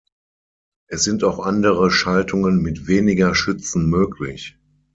Es sind auch andere Schaltungen mit weniger Schützen möglich.